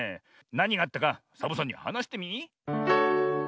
なにがあったかサボさんにはなしてみ。